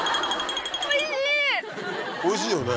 おいしいよね。